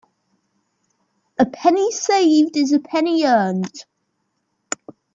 A penny saved is a penny earned.